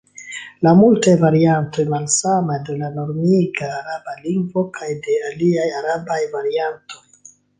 La multaj variantoj malsamas de la normiga araba lingvo kaj de aliaj arabaj variantoj.